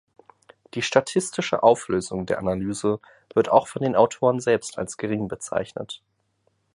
Die statistische Auflösung der Analyse wird auch von den Autoren selbst als gering bezeichnet.